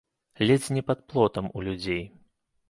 Ледзь не пад плотам у людзей.